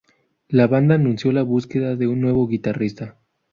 La banda anunció la búsqueda de un nuevo guitarrista.